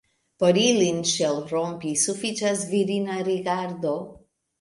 Por ilin ŝelrompi, sufiĉas virina rigardo.